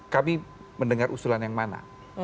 kami mendengar usulan yang mana